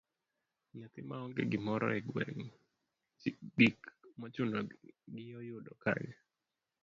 Nyathi maonge gimoro e gweng, gik mochuno gi oyudo kanye?